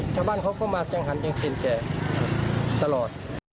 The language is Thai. ชาวบ้านเขาก็มาจังหันเกียงเชียร์แกตลอด